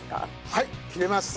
はい切れます。